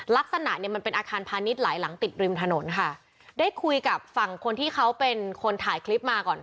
ลักษณะเนี่ยมันเป็นอาคารพาณิชย์หลายหลังติดริมถนนค่ะได้คุยกับฝั่งคนที่เขาเป็นคนถ่ายคลิปมาก่อน